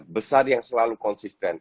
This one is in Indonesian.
besar yang selalu konsisten